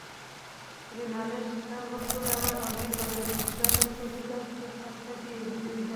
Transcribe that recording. رینالډي سر و ښوراوه او ویې ویل: زه نه پوهېدم چې خوښه دې ده.